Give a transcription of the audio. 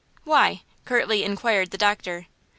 "Why?" curtly inquired the doctor.